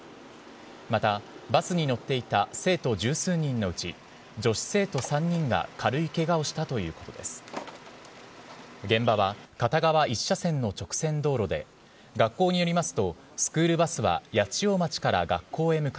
またバスに乗っていた生徒十数人のうち、女子生徒３人が軽いけがをしたということです。